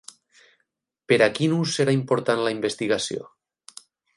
Per a quin ús serà important la investigació?